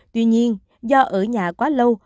tuy nhiên do ở nhà quá lâu